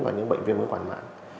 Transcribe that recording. và những bệnh viên mới quản mạng